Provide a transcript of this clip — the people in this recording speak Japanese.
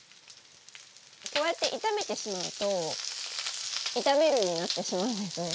こうやって炒めてしまうと炒めるになってしまうんですね。